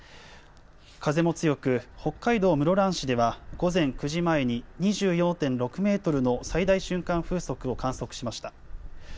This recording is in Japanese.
風も強く、北海道室蘭市では午前９時前に２４．６メートルの最大瞬間風速を観測しました。